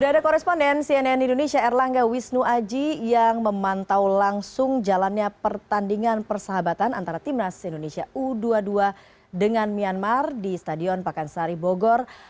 sudah ada koresponden cnn indonesia erlangga wisnu aji yang memantau langsung jalannya pertandingan persahabatan antara timnas indonesia u dua puluh dua dengan myanmar di stadion pakansari bogor